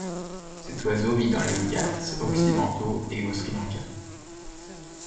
Cet oiseau vit dans les Ghats occidentaux et au Sri Lanka.